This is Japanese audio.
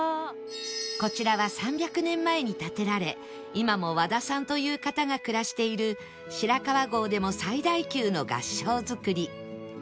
こちらは３００年前に建てられ今も和田さんという方が暮らしている白川郷でも最大級の合掌造り